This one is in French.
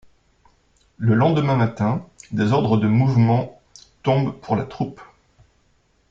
Le lendemain matin, des ordres de mouvement tombent pour la troupe.